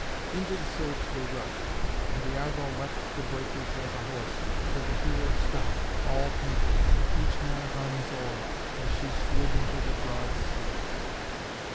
Into the surge they rushed, and the Argo leapt the breakers like a horse, till the heroes stopped, all panting, each man upon his oar, as she slid into the broad sea.